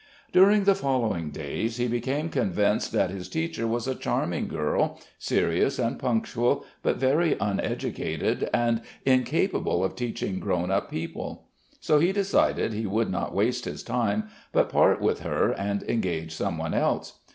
During the following days he became convinced that his teacher was a charming girl serious and punctual, but very uneducated and incapable of teaching grown up people; so he decided he would not waste his time, but part with her and engage someone else.